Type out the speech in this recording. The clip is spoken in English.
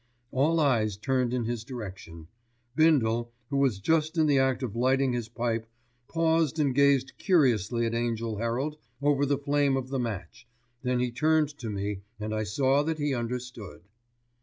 All eyes turned in his direction. Bindle, who was just in the act of lighting his pipe, paused and gazed curiously at Angell Herald over the flame of the match, then he turned to me and I saw that he understood.